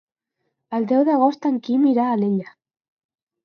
El deu d'agost en Guim irà a Alella.